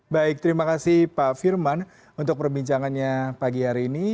baik terima kasih pak firman untuk perbincangannya pagi hari ini